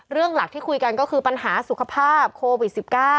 หลักที่คุยกันก็คือปัญหาสุขภาพโควิด๑๙